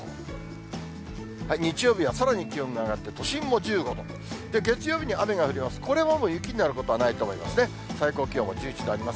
日曜日はさらに気温が上がって、都心も１５度、月曜日に雨があります。